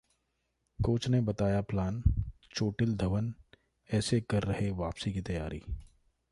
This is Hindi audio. कोच ने बताया प्लान, चोटिल धवन ऐसे कर रहे वापसी की तैयारी